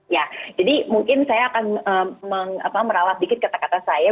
ya jadi mungkin saya akan merawat dikit kata kata saya